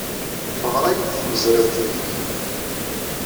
Teɣra-iyi-d tmezrawt-nnek.